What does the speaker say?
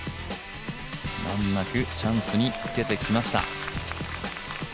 難なくチャンスにつけてきました。